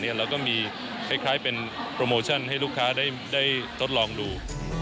เราก็มีคล้ายเป็นโปรโมชั่นให้ลูกค้าได้ทดลองดู